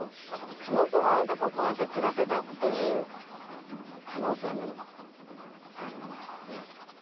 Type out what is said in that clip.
その具合でここをアテツガせたっていう可能性もあるんですかね。